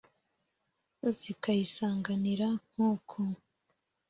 zikayisanganira ntuku.